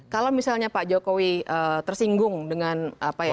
kalau misalnya pak jokowi tersinggung dengan apa ya